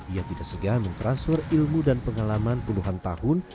ia tidak segan mentransfer ilmu dan pengalaman puluhan tahun